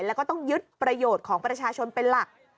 แล้วก็ต้องยึดประโยชน์ของประชาชนเป็นหลัก